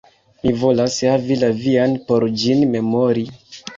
Mi volas havi la vian, por ĝin memori.